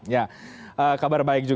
ya kabar baik